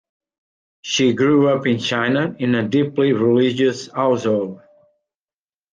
She grew up in China in a deeply religious household.